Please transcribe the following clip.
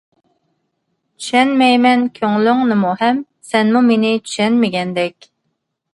چۈشەنمەيمەن كۆڭلۈڭنىمۇ ھەم، سەنمۇ مېنى چۈشەنمىگەندەك.